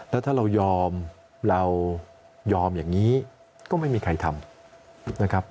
แล้วถ้าเรายอมเรายอมอย่างนี้ก็ไม่มีใครทำนะครับ